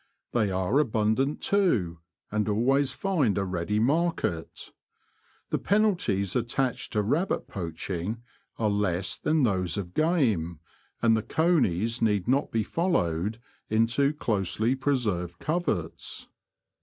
They are abundant, too, and always find a ready market. The penalties attached to rabbit poaching are less than those of game, and the conies need not be followed into closely preserved coverts.